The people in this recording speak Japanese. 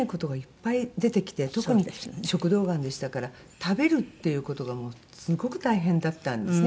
特に食道がんでしたから食べるっていう事がすごく大変だったんですね